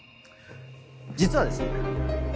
実はですね。